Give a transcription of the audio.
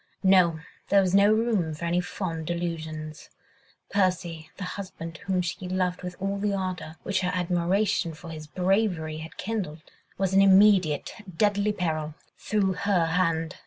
No! there was no room for any fond delusions! Percy, the husband whom she loved with all the ardour which her admiration for his bravery had kindled, was in immediate, deadly peril, through her hand.